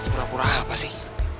pura pura apa sih